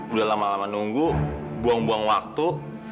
udah lama lama nunggu buang buang waktu